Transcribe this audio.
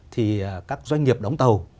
thì các doanh nghiệp đóng tàu